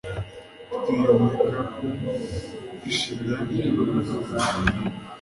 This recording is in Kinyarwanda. twiyomeka ku ishinya yawe vuba